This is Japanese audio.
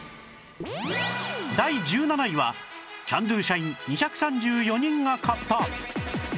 第１７位はキャンドゥ社員２３４人が買った